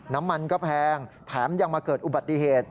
น้ำมันก็แพงแถมยังมาเกิดอุบัติเหตุ